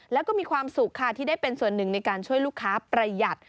แล้วก็มีความสุขค่ะที่ได้เป็นส่วนหนึ่งในการช่วยลูกค้าประหยัด